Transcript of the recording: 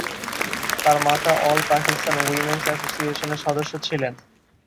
তার মাতা ‘all Pakistan women's অ্যাসোসিয়েশনের’ সদস্য ছিলেন।